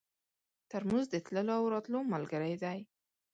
ترموز د تللو او راتلو ملګری دی.